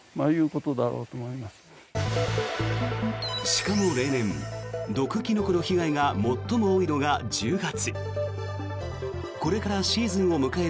しかも例年、毒キノコの被害が最も多いのが１０月。